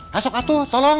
masuk atuh tolong